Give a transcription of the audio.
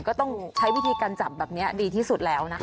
ก็ต้องใช้วิธีการจับแบบนี้ดีที่สุดแล้วนะคะ